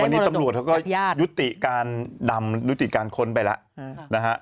วันนี้ตำรวจเขาก็ยุติการดำยุติการค้นไปแล้วนะฮะ